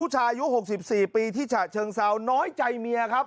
ชายอายุ๖๔ปีที่ฉะเชิงเซาน้อยใจเมียครับ